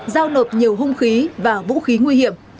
giao nộp nhiều hung khí và vũ khí nguy hiểm